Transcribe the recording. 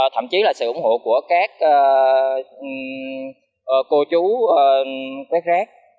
thậm chí là sự ủng hộ của các cô chú quét rác